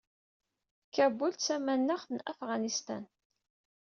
Kabul d tamaneɣt n Afɣanistan.